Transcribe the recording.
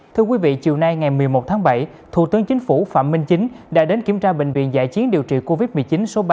thưa quý vị chiều nay ngày một mươi một tháng bảy thủ tướng chính phủ phạm minh chính đã đến kiểm tra bệnh viện giải chiến điều trị covid một mươi chín số ba